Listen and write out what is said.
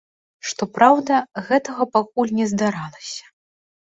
Што праўда, гэтага пакуль не здаралася.